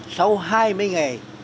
sau hai mươi ngày